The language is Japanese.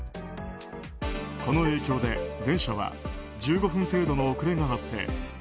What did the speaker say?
この影響で電車は１５分程度の遅れが発生。